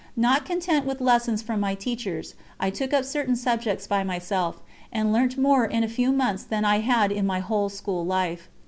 Not content with lessons from my teachers, I took up certain subjects by myself, and learnt more in a few months than I had in my whole school life.